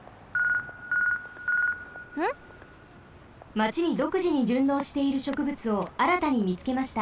マチにどくじにじゅんのうしているしょくぶつをあらたにみつけました。